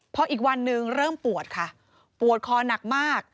พออีกวันหนึ่งเริ่มปวดค่ะปวดคอหนักมาก